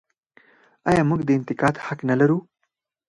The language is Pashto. آیا موږ د انتقاد حق نلرو؟